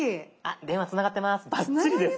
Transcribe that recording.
電話つながってます。